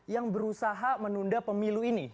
yang berusaha menunda pemilu ini